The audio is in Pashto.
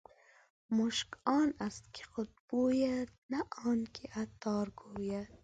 مشک آن است که خود بوید نه آن که عطار ګوید.